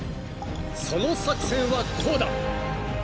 その作戦はこうだ！］